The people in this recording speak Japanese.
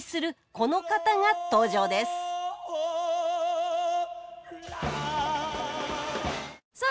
この方が登場ですさあ